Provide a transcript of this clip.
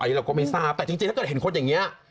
อันนี้เราก็ไม่ทราบแต่จริงถ้าเกิดเห็นคนอย่างนี้